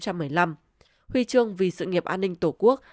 huy chương vì sự nghiệp an ninh tổ quốc